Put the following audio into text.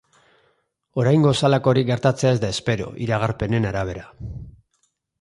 Oraingoz halakorik gertatzea ez da espero, iragarpenen arabera.